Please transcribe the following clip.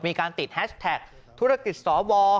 มีการติดแฮชแท็กธุรกิจสว